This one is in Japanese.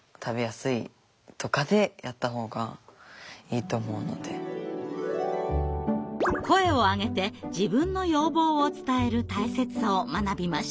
いやもう何か声を上げて自分の要望を伝える大切さを学びました。